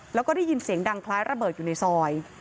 แล้วก็ได้ยินเสียงดังคล้ายระเบิดอยู่ในซอย